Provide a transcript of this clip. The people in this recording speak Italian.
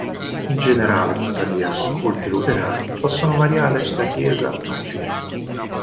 In generale tuttavia i culti luterani possono variare da chiesa a chiesa.